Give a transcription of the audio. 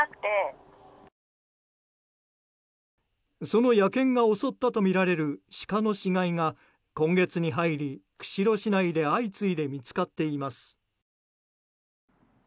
その野犬が襲ったとみられるシカの死骸が今月に入り、釧路市内で相次いで見つかっています。